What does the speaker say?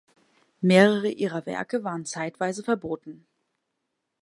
Mehrere ihrer Werke waren zeitweise verboten.